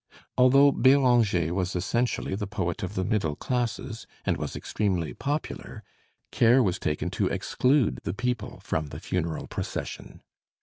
Although Béranger was essentially the poet of the middle classes, and was extremely popular, care was taken to exclude the people from the funeral procession.